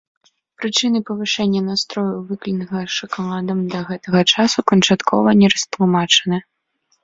Прычыны павышэння настрою, выкліканага шакаладам, да гэтага часу канчаткова не растлумачаны.